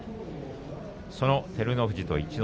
その照ノ富士と逸ノ